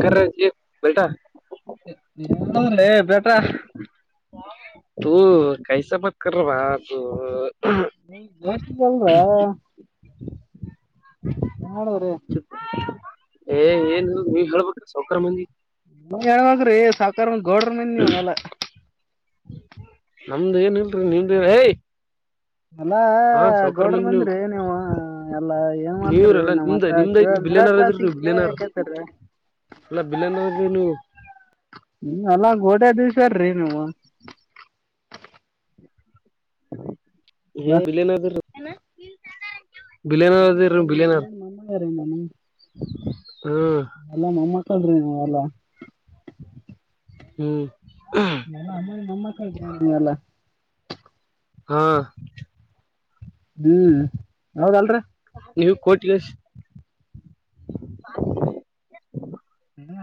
ಕ್ರ ಬೆಲ್ಟಾ [inaudible] ತು ಕೈಸ ಮತಕ [inaudible] [inaudible] ಏ ಏನು ನೀವ ಹೇಳ್ಬಟ್ರಿ ಸೌಕರ ಮಂದಿ ನ ಹೆಣ್ಮಗ್ರೀ ಸಾಕಾರ ಗೋಡ್ರ ಮೇನ್ ನೀವ ಎಲ್ಲ ನಮ್ದು ಏನಲ್ರಿ ನಿಮ್ದಿರಯ ಅಲ್ಲಾ ಗೌಡ್ರ ಬಂದ್ರಿ ನೀವು ಎಲ್ಲಾ ಏನ್ ಮಾಡ್ತರಿಿ ನೀವ್ರಲ್ಲಾ ನಮ್ಮ್ ನಿಮ್ದ ಹತ್ರ ನಿಮ್ದ ಕಿವ ಐತಿ ನಿರ ಕ್ಲಾಸಿಕ್ ಕೇಳ್ತಾರ್ರೀ ಎಲ್ಲ ಬಿಿಲ್ಲಂದ್ರ ನೀವು ಹ್ಮ ಅಲ್ಲಂಗ ಗೋಡೆ ದಿವ್ಸರ್ರಿ ನೀವು ಎಲ್ಲ ಹ ವಿಲಯನಗರ್ ಹ ನೀ ಅಮ್ಮ ಅಮ್ಮಗಾರಿಂದ ನೀ ಹ್ಮ್ ಎಲ್ಲ ಮಮ್ಮಕ್ಕಳ ರೀ ಎಲ್ಲ ಹ್ಮ್ ನಲ್ಲ ಅಮ್ಮ ನಿ ನಮ್ಮಕ್ಕಳ ಇದ್ರ ನಿ ಎಲ್ಲ ಹಾ ಹ್ಮ್ ಯಾವದಲ್ರಿೀ ನೀವು ಕೋಟಿವಸ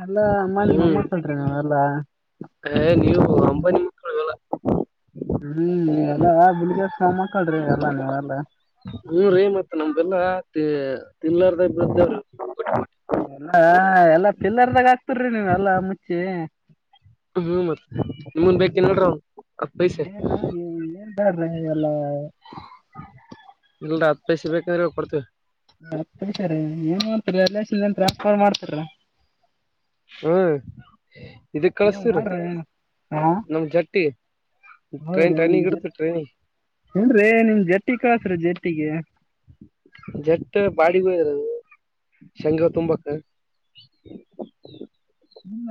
ಎಲ್ಲ ಅಮ್ಮನ್ ಹ್ಮ್ ಮೊಮ್ಮಕ್ಕಳ್ರಿ ನೀವೆಲ್ಲ ನೀವು ಅಂಬನಿ ಲ್ಲ ಹ್ಮ್ ಎಲ್ಲ ಬಿಳಗ ಮಕ್ಕಳ್ರಿ ಎಲ್ಲ ನೀವ ಎಲ್ಲ ನಮಲ್ಲ ತಿಲಾರದ ಬದ ಎಲ್ಲ ಎಲ್ಲಾ ಪಿಲ್ಲರ್ದಾಗ ಹಾಕ್ತರ್ರಿ ನೀವ್ ಎಲ್ಲಾ ಮುಚ್ಚಿ ಹ್ಮ್ ಮತ್ ನಿಮಂದ ಬೇಕ ನೋಡ್ರ ಅವ ಏನ್ ಏನ್ ಬಡ್ರಿ ಎಲ್ಲಾ ಪೈಸಿ ಬೇಕಂದ್ರೆ ಕೊಡ್ತೇವಿ ಹತಾರೆ ಏನ್ ಮಾಡ್ತಾರ ಎಲ್ಲಾಸ್ಪಾರ್ ಮಾಡ್ತಾರ ಹ್ಮ ಇದಕ್ ಹ್ಮ್ ಕಳಸ್ತ್ರ ಮಾಡ್ರಿ ನಮ್ ಜಟ್ಟಿ ಟ್ರೈನ್ ಹೌದ್ರೀ ನಿಮ ಟ್ರೈನಿಗೆ ಜ ಇಡ್ತೀವಿ ಟ್ರೈನಿಗೆ ಏನ್್ರೀ ನಿಮ್ ಜಟ್ಟ ಕಸ್ರ ಜಟ್ಟಿಗೆ ಜಟ್ಟ ಬಾಡಿಗಯರದು ಶಂಗ ತುಂಬಾಕ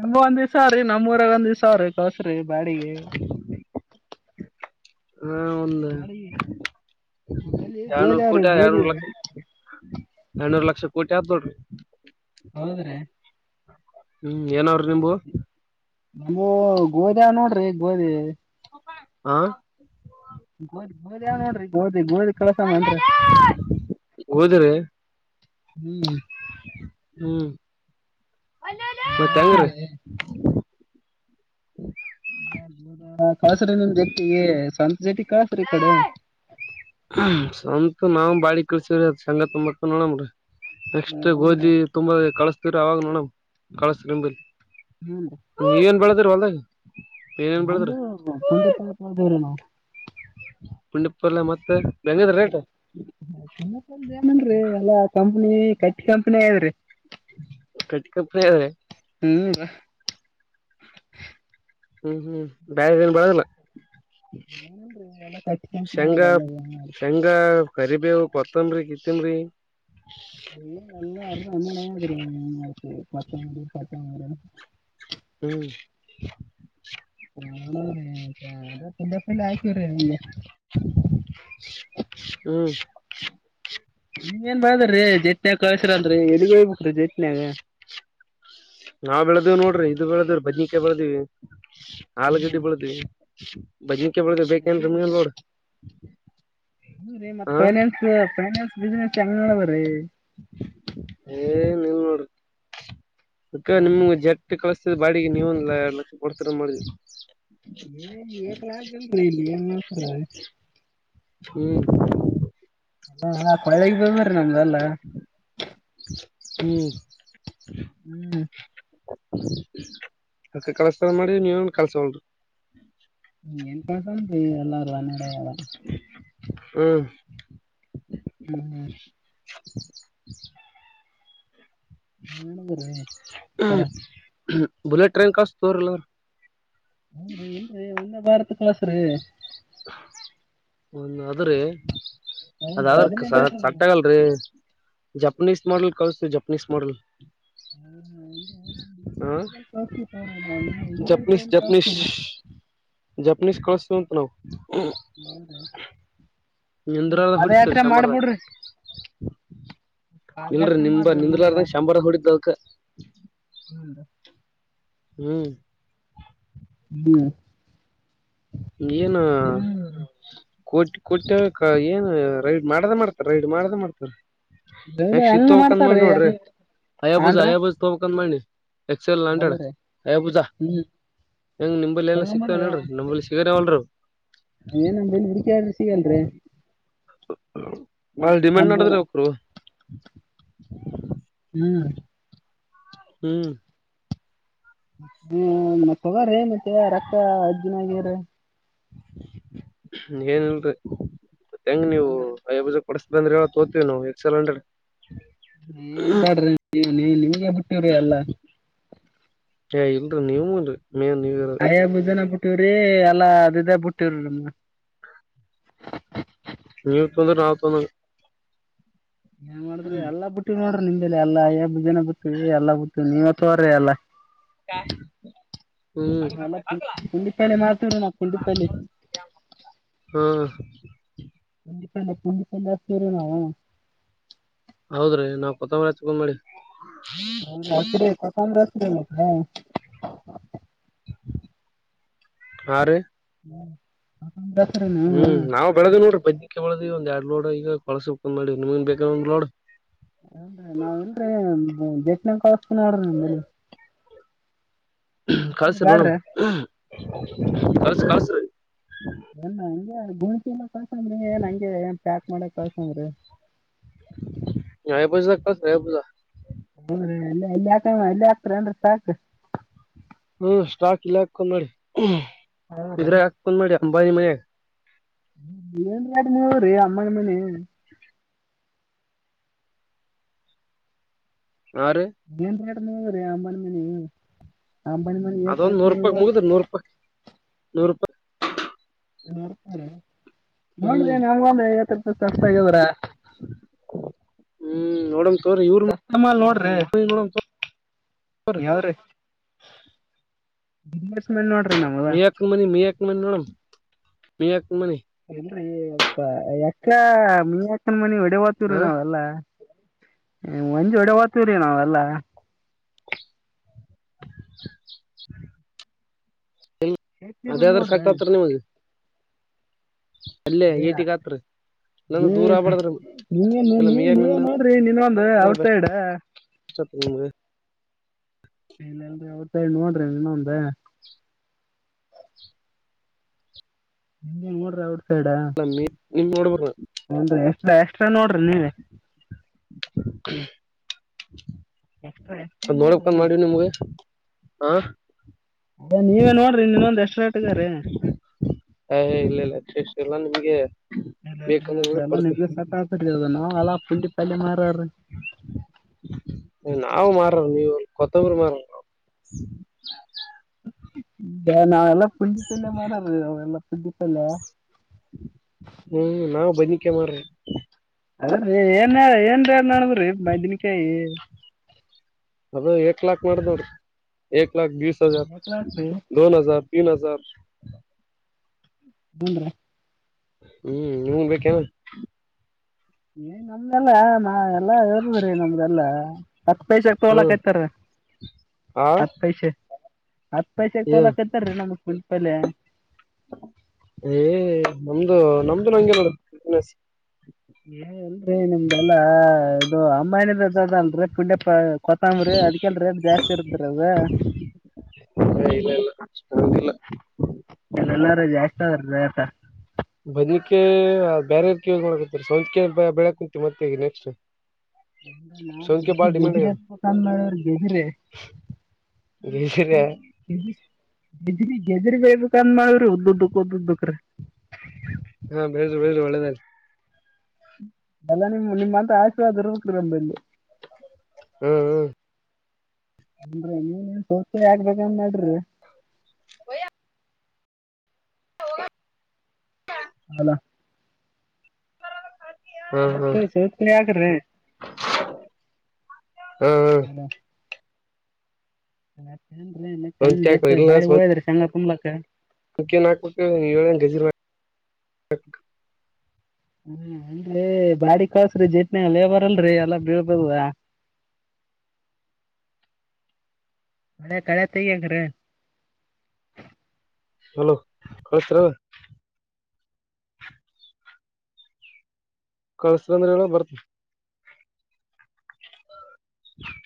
ನಮಗೂ ಒಂದ ದಿವ್ಸ ರೀ ನಮ್ಮ ಊರಾಗ ಒಂದ್ ದಿವ್ಸ ಅವ ರೀ ಕಳ್ಸ್ ರಿ ಬಾಡಿಗೆ ಮಾರಿ ಎಡನೂರು ಕೋಟೇ ಎಡನೂರು ಲಕ್ಷ. ಎಡನೂರ ಲಕ್ಷ ಕೋಟಿ ಆತ ನೋಡ್ರಿ. ಹೌದ್ರೆ ಹ್ಮ್ ಏನಾವ್ರಿ ನಿಂಬು ನಮ್ಮೂ ಗೊದ್ಯಾಗ್ ನೋಡ್ರಿ ಗೋಧಿ ಹಾ ಗೋದಿ ಗೋದ್ಯಾಗ್ ನೋಡ್ರಿ ಗೋದಿ ಗೋದಿ ಕಳಸ ಅಂದ್ರ ಓದಿರಿ ಹ್ಮ್ ಹ್ಮ್ ಏನ್ ಮತ್ತ ಹೆಂಗ್ರಿ. ಮಾಡ್ತಾರ್ರಿ ಹ ಕಳಸ್ರಿ ನಿಮ್ ಜೊಟ್ಟಿಗಿ ಸಂಜಿಕ ಕಳ್ಸ್ರಿ ಈಕಡೆ ನಾವು ಬಾಡಿ ಕಳಸವ್ರಿ ಅ ಸಂಗ ತುಂಬಾಕ್ ನೋಡಣ್ರಿ ನೆಕ್ಸ್ಟ್ ಹೌದ್ರಿ ಗೋಧಿ ತುಂಬಾ ಕಳಸ ತಿರ ಅವಾಗ ನೋಡಬೇಕ ಕಳ್ಸ್ರನ ಬರ್ರಿ ಹ್ಞೂ ಏನ್ ಬೆಳದರ ಹೊಲ್ದಾಗ. ಏನೇನ್ ಬೆಳದ್ರಿ ನಮ್ದು ಪುಂಡಿಪಲ್ಲೇ ತುಂಬುತ್ತಿವ್ರಿ ನಾವ್. ಪುಂಡಿಪಲ್ಲೆ ಮತ್ತ ಹೆಂಗದ್ರಿ ರೇಟ್ ಕಮಿಷನ್ದ ಏನ ಇಲ್ರಿ ಎಲ್ಲಾ ಕಂಪ್ನಿ ಕಟ್ಕೊಂತನೇ ಇದೆ ಕಟ್ಕೋತಾ ಇದೆ ಹ್ಮ್ ಹ್ಮ್ ಹ್ಮ್ ಬ್ಯಾರೆ ಏನ್ ಬೆಳದಿಲ್ಲ. ಏನನ್ರಿ ಎಲ್ಲ ಕಟ್ಟಿಗಿ ಕುಂತ ನೀವ್ ಶೇಂಗಾ ಎಲ್ಲಾ ಏನ್ ಶೇಂಗಾ ಕರಿಬೇವು, ಕೊತ್ತಂಬರ್ರಿ ಗಿತ್ತಂಬ್ರಿ. ಏನ ಎಲ್ಲಾ ಹರ್ದ ಹಣ್ಣ್ಯಾಡ ಆಗೇದ್ರಿ ಇನ್ನೆಲ್ಲಿ ಕೊತಂಬ್ರಿ ಫತಂಬ್ರಿ. [inaudible] ಹ ಅಲ್ಲ ಅದ ಫಿಲ್ಲ ಅಪ್ಗಿ ಹಾಕಿಬಿಡ್ರಿ ಹ್ಮ್ ನೀ ಏನ್ ಬರಬ್ಯಾಡ್ರಿ ಜಟ್ನಯಾಗ ಕಳ್ಸಿರ ಅಂದ್ರ್ ರಿ ಎಲ್ಲಿಗ್ ಹೋಗ್ಬೇಕ ರಿ ಜಟ್ನ್ಯಾಗ [unintelligible] ಆಲುಗಡ್ಡಿ ಹ್ಮ್ ಬೆಳದ್ವಿ ಬದ್ನಿಕಾಯಿ ಬೆಳದ್ವ ಹೌದ್ರಿ ಬೇಕೇನ್ ನಿಮಗೊಂದ ಲೋಡ್ ಹ್ಮ್ ರೀ ಮತ್ ಫೈನಾನ್ಸ್ ಫೈನಾನ್ಸ್ ಬಿಸ್ಸಿನೆಸ್ಸ್ ಹೆಂಗ ನಡದೂದ್ರೀ ಏನಿಲ್ಲ ನೋಡರಿ ಅದಕ್ಕ ನಿಮ್ನ ಜಟ್ ಕಳಸ್ತದ ಬಾಡಿಗೆ ನೀವೊಂದ ಎರಡ್ ಲಕ್ಷ ಕೊಡ್ತಿರ ಅಂತ ಮಾಡಿವ ಏನ ಏಕ್ ಲಾಕ್ ರಿ ಇಲ್ಲಿ ಏನ್ ಆಗ್ತದ ಹ್ಮ್ ಹಾ ಹಾ ಕೊಳ್ಳಿಗಿ ಬಿಳ್ಳಬ್ಯಾಡ್ರಿ ನಮ್ದಲ್ಲ. ಹ್ಮ್ ಹ್ಮ್ ರೋಕ್ ಕಲಸ್ಟಿರಿ ಅಂತ ಮಾಡಿವಿ ನೀವ ಏನ್ ಕಳ್ಸ ವಾರಿ. ಏನ್ ಕಳ್ಸನ್ರಿ ಎಲ್ಲಾರು ಅನಾಡ್ಯಾಳ ಹ್ಮ ಹ್ಮ್ ಹ್ಮ್ [inaudible] ಇಲ್ಲಾ ರಿ ಸರ್. ಬುಲ್ಲೆಟ್ ಟ್ರೈನ್ ಕಳ್ಸ್ತೀನ್ ತಗೋರಿ ಇಲ್ಲಾದ್ರ. ಹ್ಮ್ ರಿ ಇಲ್ರಿ ಒಂದೇ ಭಾರತ್ ಕಳಸ್ರಿ. ಒ ಅದ್ರಿ ಅದ ಹೌದ್ರಿ ಆದ್ರ ಅದನ್ನೇ ಬೇಕ್ರಿ ಸೆಟ್ ಆಗಲ್ರಿ. ಜಪನಿಸ್ ಮೋಡಲ್ ಕಲಾಸ್ತಿವಿ ಜಪನಿಸ್ ಮೋಡಲ್ ಹ್ಮ್ ಹ್ಮ. [unintelligible] ಜಾಪನೀಸ್ ಕಲ್ಸಟೆವ್ ಅಂತ ನಾವು [unintelligible] ನಿಂದ್ರಾರ ಹೊಡಿತಾರ ಪಾದಯಾತ್ರೆ ಶಂಬಾರ್ದಾಗ ಮಾಡ್ಬಿಡ್ರಿ ಇಲ್ರಿ ಪಾದಯಾತ್ರೆ ನಿಂಬ ಮಾಡ್ರಿ ಇಲ್ಲಂದ್ರ ನಿಂದ್ಲಾರನ ಶಂಬಾರ ಹೊೂಡಿದವಕ್ಕ ಹೂ ಹ್ಮ್ ಹ್ಮ ಏನ ಕೊಟ್ ಕೊಟ್ಯ ಏನು ರೈಡ್ ಮಾಡ್ದ ಮಾಡ್ತಾರ ರೈಡ್ ಮಾಡ್ದ ಮಾಡ್ತಾರ ಗೈಡ ನೆಕ್ಸ್ಟ ಇದ ಹೆಂಗ್ ತೊಗೊಬೆಕ್ ಅಂತ ಮಾಡ್ತಾರ್ರಿ ಮಾಡಿನ ನೋಡ್ರಿ ಹೆಂಗ್ ಹಯಾ ಬೂಜ ಹಾನ್ರಿ ಹಯ ಬೂಜ ತೊಗೊಬೆಕ್ ಅಂತ ಮಾಡಿನ ಎಕ್ಸ್ ಎಲ್ ಲಂಟ್ರಡ್ ಹೌದ್ರಿ ಅಯಬೂಜಾ ಹ್ಮ್ ಹೆಂಗ್ ನಿಂಬಲ್ಲಿ ಎಲ್ಲ ಸಿಕ್ತಡ್ರಿ ನಂಬಲ್ಲಿ ಸಿ [unintelligible] ಏ ನಮ ಬಲ್ಲಿ ಹುಡಕಿ ಆಡಿದರು ಸಿಗಲರಿ ಬಾಳ ಡಿಮಾಂಡ್ ನಾಡದುದ್ರಿ ಅವ್ಕೂರುದು ಹ್ಮ್ ಹ್ಮ್ ಹೂ ತೊಗೊರಿ ಮತ್ತ ರೋಕ್ ಇದಿನಾಗ ಇದ್ರ ಏನ್ಲ್ರಿ ಹೆಂಗ ನೀವು ಅಯ ಬ ಕೊಡಸ್ ಬಂದ್ರ ತೋತತಿವಿ ನಾವು ಎಕ್ಸ್ ಎಲ್ಂಡ್ರಡ್ ಏನ್ ತೊಗೊಂಡ್ರಿ ನೀ ನೀ ನಿಮ್ಗೆ ಬಿಟ್ಟವ್ರಿ ಎಲ್ಲಾ ಏ ಇಲ್ಲರಿ ನೀವು ಅದ ಹಯ ಬುಜನು ಬಿಟೀವ್ರಿ ಎಲ್ಲ ಅದುದೇ ಬಿಟ್ಟಿರು ನಿವ್ತಿಗೊಂಡೂರು ನಾವ್ ತೊಗೊಂಡು ಹಾಂಗ್ ಏನ್ ಮಾಡಿದ್ರಿ ಎಲ್ಲಾ ಬಿಟ್ಟೀ್ವ ನೋಡ್ರಿ ನಿಮ್ದಲಿ ಎಲ್ಲ ಎಬ್ ಜನ ಬಿಟಿವಿ ಎಲ್ಲಾ ಬಿಟಿವಿ ನೀವೇ ತೊಗೊರಿ ಎಲ್ಲಾ [unintelligible] ಮಲ್ಲ ಪು ಪುಂಡ ಪಲ್ಲಿ ಮಾಡಾರತುದು ಪುಂಡ ಪಲ್ಲಿ ಹ್ಮ ಕುಂದಿಪಂದ ಸರುಣಾವ ಹೌದ್ರೀ ನಾವ್ ಕೊತ್ತಂಬರಿ ತಕೊಂಬಿ ರತ್ ಕಕ ರತ್ ಹ ಹಾ ರೀ ಹ್ಮ್ ಹ್ಮ್ ನಾವವು ಬೆಳೆದ ನೋಡ್ರಿ ಬದ್ಕ್ಕೆಳ ಒಂದ ಎರಡ್ ಲೋಡ್ ಈಗ ಕೊಳಸ ಉಕೊಂಡ್ ಮಾಡಿ ನಿಮನ್ ಬೇಕ ಒಂದ್ ಲೋಡ್ ಹಟ್ಟನ ಕೊಸ್ತನರಂದಲ್ಲ ಕಸ ನೋಣ ಕಸು ಕಸ ಒ್ಣ ಹಗೆ ಗುಣತ ಕಳ್ಸಂದ್ರಿ ಏ ನಂಗೆ ಏನ್ ಪ್ಯಾಕ್ ಮಾಡಕ್ ಕಳ್ಸಂದ್ರಿ ಹಸ ರಬೂದಾ ಹ ಎಲ್ಲ ಎಲ್ಲಿ ಆತ ಎಲ್ಲ ಹತ್ರ್ರ ಸಾ ಸಾಕು ಹ್ಮ ಸ್ಟಾಕ್ ಇಲ್ಲ ಹಾಕೊಂಡ್ ಮಾಡಿ ಹೌದ್ರಿ ಇದ್ರೆ ಹಾಕಕೊಂಡ್ ಮಾಡಿ ಅಂಬಾನಿ ಮನಾಗ ಡ ನೀ ರೀ ಅಮ್ಮನಮ್ಮನ ಆ ರ ಅಂಬನ ಮ ನೀ ಅದ ಒಂದು ನೂರು ರೂಪಾಯ ಮುಗುದ ನೂರುೂಪಾಯ ನೂರು ರೂಪಾಯಿ ಹ ಹ ಹ್ಮ್ ನೋಡ್ರಿ ನಮಗಂದ್ರ ಕಷ್ಟ ಆಗ್ಯದ್ರ ಹ್ಮ್ ನೋಡ ಕಸ್ಮಲ್ ನೋಡ್ರಿ ಯಾವ್ರಿ ಇನ್ವೆಸ್ಟ್ಮೆಂಟ್ ನೋಡ್ರಿ ನಮ್ದ ಮಿಯಕ್ ಮನಿ ಮಿಯಕ್ ಮನಿ ಮೋಡ ಮಿಯಕ್ ಮನಿ ಲ್ ಎಕ್ಕ ಮನಿ ಅಕ್ಕನ್ ಮನಿ ಒಡೆವತೂರು ಹಾ ನಾವೆಲ್ಲಾ ಹ್ಮ ಒಂಜೋಡ ವತರ ನಾ ಎಲ್ಲ ಎಷ್ಟಿದ್ ಅದೇದ್ರ ನೋಡ್ರಿ ಸಾಕತ್ರ ನಿಮಗೆ ಅಲ್ಲೇ ಏಟಗತ್ರಿ ನೀವ ಇಲ್ಲ ನೀನ್ ಮಿಯಾಕ್ ಮನಿ ನೀವೇ ನೋಡ್ರಿ ನಿನ್ೊಂದು ಔಟ್ ಸೈಡ್ ನಿಮಗೆ ಇಲ್ಲ ಎಲ್ರಿ ಅವತ್ತ ನೋಡ್ರಿ ಇನ್ನೊಂದ ನಿಮ ನೋಡ್ರಿ ಔಟ್ ಸೈಡ ನಿಮ್ ನೋಡ್ಬರ ನನ ಎಷ್ಟ ಎಷ್ಟ್ರ ನೋಡ್ರಿ ನೀವ ಹ್ಮ್ ಎಕ್ಸ್ಟ್ರಾ ಎಕ್ಸ್ಟ್ರಾ ನೋಡ್ರಿ ನೋಡಪ್ಕಂದ್ ಮಾಡ ನಿಮ್ಗೆ ಆ ಅ ನೀವೇನ್ ನೋಡ್ರಿ ಇನ್ನೊಂದ್ ಎಷ್ಟ ರೇಟ್ಗಾರಿೀ ಏ ಇಲ್ಲ ಇಲ್ಲ ಇಲ್ಲ ನಿಮಗೆ ನಿಮಗೆ ಸ ನಾವ್ಲ್ಲಾ ಪುಂಡಿ ಪಲ್ಲಿಯ ಮಾರಿ ನಾವವು ಮಾರ ನೀವು ಕೊತ್ತಂಬರು ಮಾರ ದಯ ನಾ ಎಲ್ಲ ಪಂಡಿತ್ತಲ್ಲ ಮಾಡರಾಾರ ವಲ್ಲ ಪಂಡಿತ್ತಲ್ಲ ಬಜಿಕ ಮಾರ ಅದೀ ಏನ್ ಏನ್ ನಡದ್ರಿ ಮದನಕಾಯಿ ಲಖ ಮಾಡಾರದ ಲಖ ವೀಸ ಹಜಾರ ಏಕ್ಲಾಕ್ರಿ ದೊನ್ ಹಜಾರ ತೀನ್ ಹಜಾರ್ ಬೂನ್ರ ಹ್ಮ್ ಹನ್ ಬೇ ಏ ನಮ್ದಲ್ಲಾ ನಾ ಎಲ್ಲಾ ಇರ್ದದ್ರಿ ನಮ್ದಲ್ಲಾ ಹತ್ತು ಪೈಸಕ್ ಹ್ಮ್ ತಗಲಕಯ್ತಾರ ಆ ಹತ್ತು ಪೈಸೆ ಹತ್ತು ಪೈಸೆ ಏ ಕೊಲಾಕತ್ತಾರೀ ನಮಗ್ ಕುಲ್ಪಲ್ ಏ ನಮ್ದು ನಮ್ದು ನಂಗೆ ಬ ಏ ಇಲ್ರಿ ನಿಮ್ದೆಲ್ಲ ಅದು ಅಮ್ಮನಿದ ಅದ ಅಲ್ರರಿ ಪುಂಡ್ಯ ಪ ಕೊತ್ತಂಬರಿ ಅದಕಲ್ ರೇಟ್ ಜಾಸ್ತಿ ಇರ್ತರಿ ಅದ ಹ ಇಲ್ಲ ಇಲ್ಲ ಹಾಗ ಎಲ್ಲ ಎಲ್ಲಾರ ಜಾಸ್ತಿ ಆದ್ರತ ಬದಕ್ಕೆ ಬೇರವ್ರ ಕೇಳ ನೋಕತ ಸೌತ್ ಕ ಬೆಳಕ್ ಕುಂಂತವಿ ಮತ್ತೆ ಈ ನೆಕ್ಸ್ಟ್ ಎಲ್ಲ ನಾನ್ ಸೌಂತಿಕಾಯಿ ಗೆ್ದು ಬಾಳ ಡಿಮ್ಯಾಂಡ್ ಗೆಜ್ರೆ ಆಗ್ಯದ ಹತ್ ಕಂದ ಮಾಡ್ರ ಗೆಜ್ರೆ ಬರಿಯ ಜ ಗಜ್ರಿ ಗಜ್ರಿ ಬೇಕ್ ಅಂದ ಮಾಡ್ರಿ ಉದ್ದದ್ದ ಉದದ್ದಕ್ಕ್ರೀ ಹ ಹಾ ಬೆೇಳಸ ಬೆಳ ಒಳ್ಳೆದ ಎಲ್ಲ ನಿಮ್ಮ ನಿಮ್ಮಂತ ಆಶೀರ್ವಾದ ರ್ರಲ್ಲಿ ಹ್ಮ್ ಹ್ಮ್ ಹನ್ರಿ ನೀನ್ೇನ್ ಸೋಸ ಆಗ್ಬೇಕನ್ ಮಾಡಡ್ರಿ ಯ ಯ ಹೌ ಹೌದಾ ಹಾ ಹಾ ಮ ಸೌ ಯಾಕ್ರೆ ಹಾ ತ್ತ ಅಏನ್್ರ ಮತ್ತ ಹೆಂಗ ಸೌಂತಿಕಾಯಿ ಜತ್ತ ಬಾಡಿ ಹೋಳದ್ರ ಶಂಗಾ ತುಂಬ್ಲಕ್ಕ ಇಕೆ ನ ನೀ ಗಜ ಮಾಡ ಹ್ಮ ಅಂದರಿ ಬಾಡಿ ಕಳಸ್ರಿ ಜಟ್ನಿಲ್ಲೇ ಬರ್ಲ್ರರಿ ಎಲ್ಲಾ ಬೀಳ್ಬದ ಮಳೆ ಕಳ ತಂಗರ ಹಲೋ ಕಳ್ತರ ಕಳಸದಂದ್ರಗಳು ಬರ್ತ ಹ